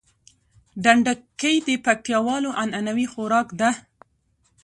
ډنډکی د پکتياوالو عنعنوي خوارک ده